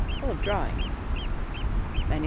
Full of drawings. MS.